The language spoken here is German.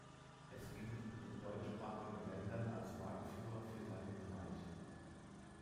Es gilt in den deutschsprachigen Ländern als Marktführer für seinen Bereich.